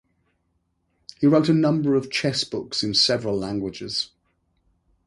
He wrote a number of chess books in several languages.